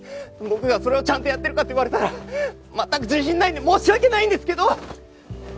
僕がそれをちゃんとやってるかって言われたら全く自信ないんで申し訳ないんですけど！